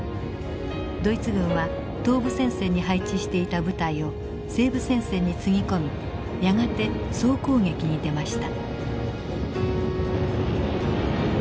ドイツ軍は東部戦線に配置していた部隊を西部戦線につぎ込みやがて総攻撃に出ました。